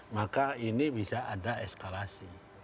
maka ini bisa ada eskalasi